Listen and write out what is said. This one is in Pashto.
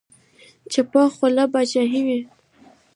چپه خوله باچاهي وي.